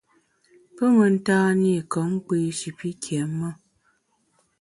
Pe mentan-i kom kpi shi pi kiém-e.